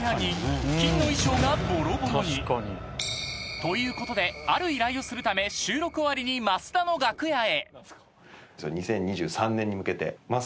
ということである依頼をするため収録終わりに増田の楽屋へ］